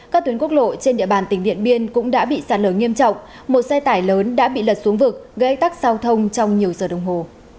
các tuyến quốc lộ trên địa bàn tỉnh điện biên cũng đã bị sạt lở nghiêm trọng một xe tải lớn đã bị lật xuống vực gây tắc giao thông trong nhiều giờ đồng hồ